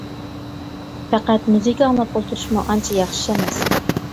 پەقەت مۇزىكا ئاڭلاپ ئولتۇرۇشمۇ ئانچە ياخشى ئىش ئەمەس!